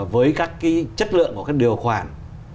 với các chất lượng của các điều khoản